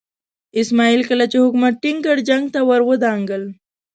اسماعیل کله چې حکومت ټینګ کړ جنګ ته ور ودانګل.